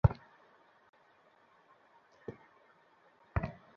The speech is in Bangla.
তুমিই সেই রাধুনি।